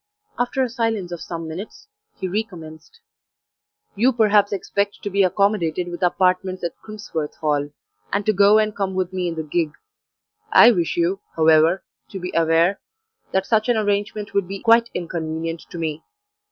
After a silence of some minutes he recommenced: "You perhaps expect to be accommodated with apartments at Crimsworth Hall, and to go and come with me in the gig. I wish you, however, to be aware that such an arrangement would be quite inconvenient to me.